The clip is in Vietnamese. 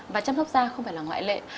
và chăm sóc da không phải là ngoại lệ